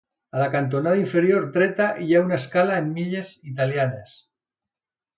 A la cantonada inferior dreta hi ha una escala en milles italianes.